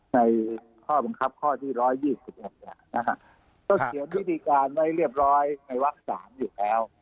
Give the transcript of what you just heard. ในข้อบังคับข้อที่๑๒๖อยู่แล้วต้องเขียนวิธีการไว้เรียบร้อยในวักษณ์๓อยู่แล้ว